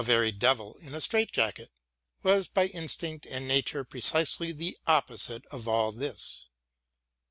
very devil in a strait jacket — ^was by instinct and nature precisely the opposite of aU this.